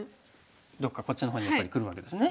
どっかこっちの方にやっぱりくるわけですね。